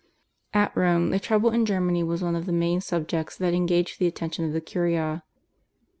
At Rome the trouble in Germany was one of the main subjects that engaged the attention of the Curia.